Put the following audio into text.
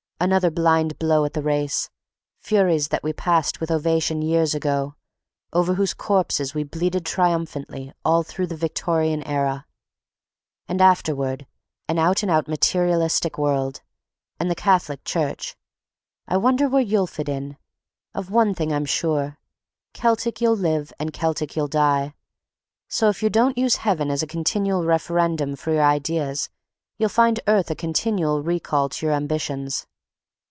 another blind blow at the race, furies that we passed with ovations years ago, over whose corpses we bleated triumphantly all through the Victorian era.... And afterward an out and out materialistic world—and the Catholic Church. I wonder where you'll fit in. Of one thing I'm sure—Celtic you'll live and Celtic you'll die; so if you don't use heaven as a continual referendum for your ideas you'll find earth a continual recall to your ambitions.